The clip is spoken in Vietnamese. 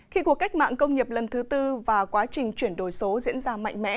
khi cuộc cách mạng công nghiệp lần thứ tư và quá trình chuyển đổi số diễn ra mạnh mẽ